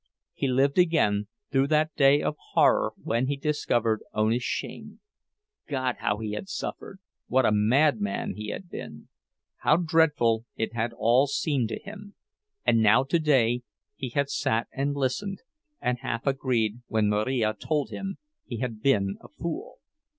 He lived again through that day of horror when he had discovered Ona's shame—God, how he had suffered, what a madman he had been! How dreadful it had all seemed to him; and now, today, he had sat and listened, and half agreed when Marija told him he had been a fool!